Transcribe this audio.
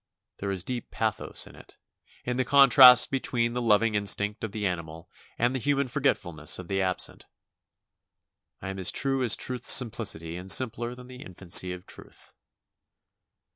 There is deep pathos in it, in the contrast between the loving instinct of the animal and the human forgetfulness of the absent. "I am as true as truth's simplicity and simpler than the infancy of truth."